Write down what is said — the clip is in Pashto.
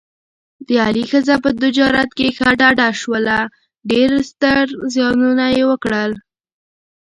د علي ښځه په تجارت کې ښه ډډه شوله، ډېر ستر زیانونه یې وکړل.